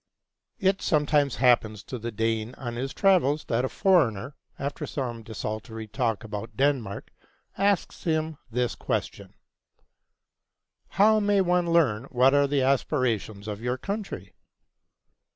It sometimes happens to the Dane on his travels that a foreigner, after some desultory talk about Denmark, asks him this question: How may one learn what are the aspirations of your country?